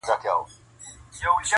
بلا توره دي پسې ستا په هنر سي؛